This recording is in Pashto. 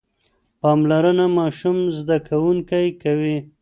پاملرنه ماشوم زده کوونکی کوي.